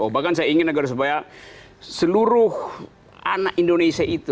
bahkan saya ingin agar supaya seluruh anak indonesia itu